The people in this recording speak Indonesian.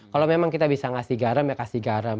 kalau memang kita bisa ngasih garam ya kasih garam